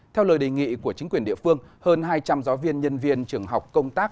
theo lời đề nghị của chính quyền địa phương hơn hai trăm linh giáo viên nhân viên trường học công tác